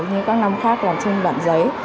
như các năm khác làm trên bản giấy